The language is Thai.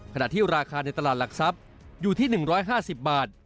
ขณะที่ราคาในตลาดหลักทรัพย์อยู่ที่๑๕๐บาท